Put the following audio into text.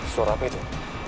suara apa itu